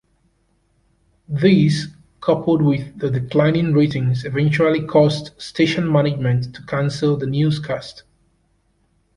This, coupled with the declining ratings, eventually caused station management to cancel the newscast.